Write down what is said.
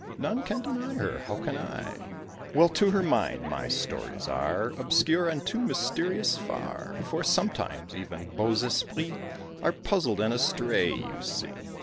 None can deny her. How can I? Well, to her mind my stories are Obscure, and too mysterious far; For, sometimes, even beaux esprits Are puzzled and astray, you see.